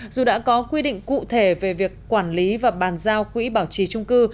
dù đã có quy định cụ thể về việc quản lý và bàn giao quỹ bảo trì trung cư